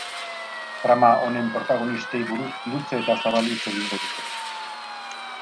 Trama honen protagonistei buruz luze eta zabal hitz egingo dute.